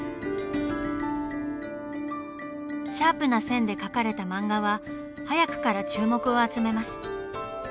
シャープな線で描かれた漫画は早くから注目を集めます。